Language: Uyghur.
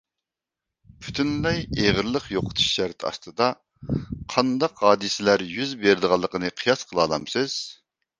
پۈتۈنلەي ئېغىرلىق يوقىتىش شەرتى ئاستىدا قانداق ھادىسىلەر يۈز بېرىدىغانلىقىنى قىياس قىلالامسىز؟